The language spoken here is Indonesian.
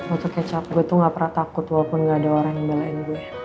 untuk kecap gue tuh gak pernah takut walaupun gak ada orang yang belain gue